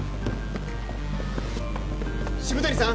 渋谷さん？